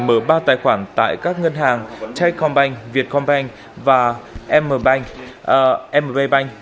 nghĩa đã mở ba tài khoản tại các ngân hàng techcombank vietcombank và mbank